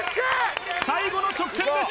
最後の直線です